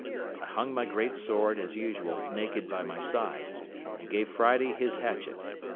I hung my great sword, as usual, naked by my side, and gave Friday his hatchet.